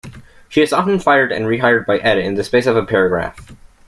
She is often fired and rehired by "Ed" in the space of a paragraph.